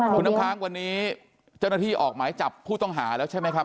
คุณน้ำค้างวันนี้เจ้าหน้าที่ออกหมายจับผู้ต้องหาแล้วใช่ไหมครับ